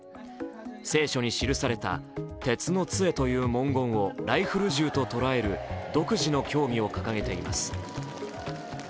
聖書に記された鉄の杖という文言をライフル銃と捉える独自の教義を掲げています。